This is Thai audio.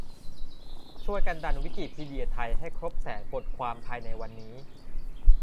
ช่วยกันดันวิกิพีเดียไทยให้ครบแสนบทความภายในวันนี้